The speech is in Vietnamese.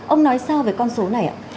ông nói sao về con số này ạ